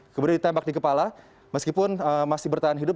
kemudian ditembak di kepala meskipun masih bertahan hidup